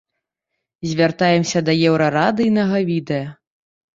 Звяртаемся да еўрарадыйнага відэа.